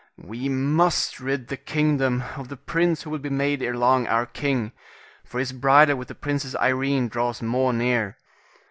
We must rid the kingdom of the prince, who will be made ere long our king, for his bridal with the Princess Irene draws more near.